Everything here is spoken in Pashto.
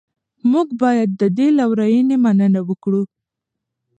موږ باید د دې لورینې مننه وکړو.